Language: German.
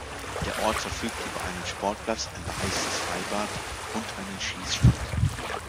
Der Ort verfügt über einen Sportplatz, ein beheiztes Freibad und einen Schießstand.